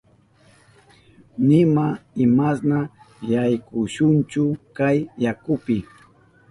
Nima imashna yaykushanchu kay yakupi.